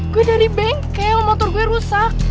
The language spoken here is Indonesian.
gue dari bengkel motor gue rusak